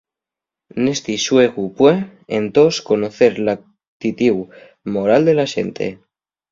Nesti xuegu pue, entós, conocer l'actitú moral de la xente.